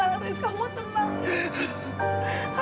haris kamu tenang